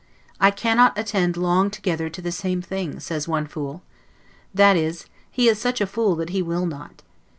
I CANNOT attend long together to the same thing, says one fool; that is, he is such a fool that he will not.